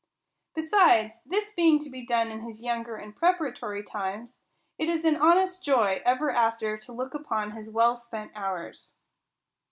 Besides, this being to be done in his younger and preparatory times, it is an honest joy ever after to look upon his well spent hours.